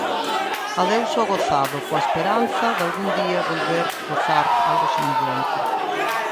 Adeus ao gozado, coa esperanza dalgún día volver gozar algo semellante.